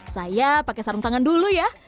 saya pakai sarung tangan dulu ya